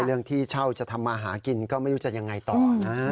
เรื่องที่เช่าจะทำมาหากินก็ไม่รู้จะยังไงต่อนะ